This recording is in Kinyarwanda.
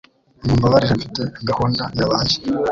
Mumbabarire mfite gahunda yabanje.